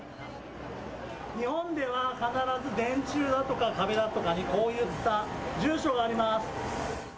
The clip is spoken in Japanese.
日本では必ず電柱だとか壁だとかにこういった住所があります。